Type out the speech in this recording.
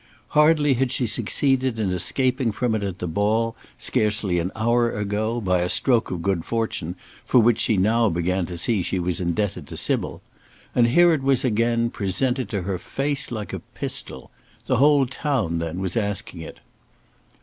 Hardly had she succeeded in escaping trom it at the ball scarcely an hour ago, by a stroke of good fortune for which she now began to see she was indebted to Sybil, and here it was again presented to her face like a pistol. The whole town, then, was asking it.